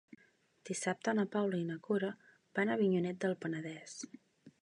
Dissabte na Paula i na Cora van a Avinyonet del Penedès.